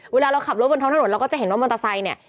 เวลาเราขับรถบนท้องถนนเราก็จะเห็นว่ามอเตอร์ไซค์เนี่ย